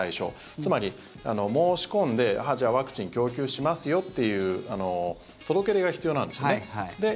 つまり、申し込んでじゃあワクチン供給しますよという届け出が必要なんですよね。